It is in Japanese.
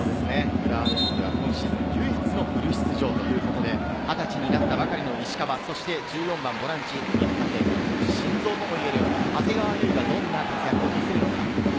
浦和レッズでは今シーズン唯一のフル出場ということで、２０歳になったばかりの石川、そして１４番ボランチ、日本代表の心臓ともいえる長谷川唯がどんな活躍を見せるか？